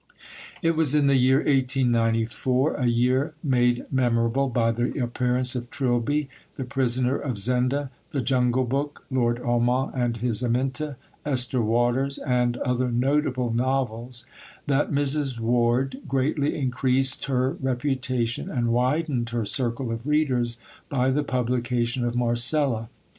It was in the year 1894 a year made memorable by the appearance of Trilby, the Prisoner of Zenda, The Jungle Book, Lord Ormont and his Aminta, Esther Waters, and other notable novels that Mrs. Ward greatly increased her reputation and widened her circle of readers by the publication of Marcella.